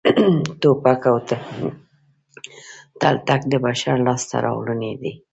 ټوپک او تلتک د بشر لاسته راوړنې دي